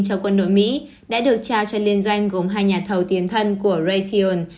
cho quân đội mỹ đã được trao cho liên doanh gồm hai nhà thầu tiến thân của raytheon